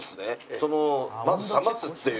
そのまず冷ますっていう。